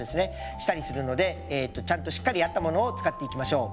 したりするのでえとちゃんとしっかり合ったものを使っていきましょう。